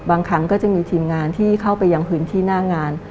บางครั้งก็จะมีทีมงานที่เข้าไปยังพื้นที่หน้างาน